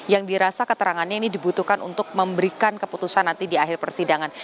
yang dirasa keterangannya ini dibutuhkan untuk memberikan keputusan nanti di akhir persidangan